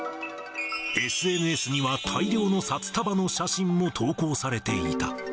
ＳＮＳには、大量の札束の写真も投稿されていた。